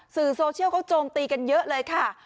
สื่อโซเชียลเขาโจมตีกันเยอะเลยค่ะ